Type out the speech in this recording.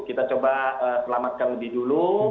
kita coba selamatkan lebih dulu